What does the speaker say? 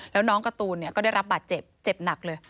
แล้วน้องการ์ตูนก็ได้รับบาดเจ็บเจ็บหนักเลย